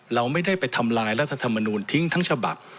เราไม่ได้ไปทำลายรัฐธรรมนูลทิ้งทั้งฉบับ